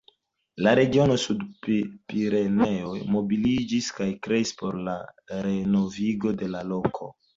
La Regiono Sudo-Pireneoj mobiliĝis kaj kreis por la renovigo de la loko.